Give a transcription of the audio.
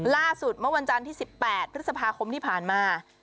ล่าสุดเมื่อวันจันทร์ที่๑๘พฤษภาคมที่ผ่านมา